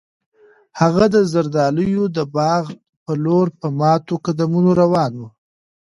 هغه د زردالیو د باغ په لور په ماتو قدمونو روان و.